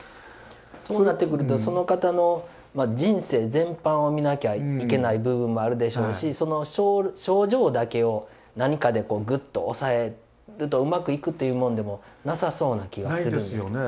そうなってくるとその方の人生全般を見なきゃいけない部分もあるでしょうしその症状だけを何かでグッと抑えるとうまくいくっていうもんでもなさそうな気がするんですけど。